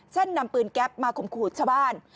เช่นนำปืนแก๊บมาขมคูดชาวบ้าน